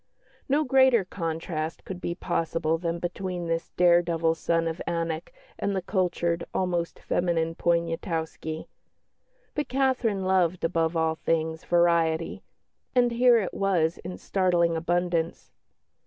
No greater contrast could be possible than between this dare devil son of Anak and the cultured, almost feminine Poniatowski; but Catherine loved, above all things, variety, and here it was in startling abundance.